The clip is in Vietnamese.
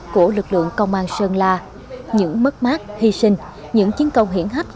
của lực lượng công an sơn la những mất mát hy sinh những chiến công hiển hách